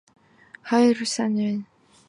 Howard Stern also claims to have lived there.